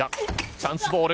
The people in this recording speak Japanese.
チャンスボール。